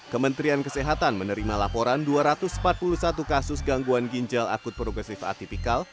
kementerian kesehatan menerima laporan dua ratus empat puluh satu kasus gangguan ginjal akut progresif atipikal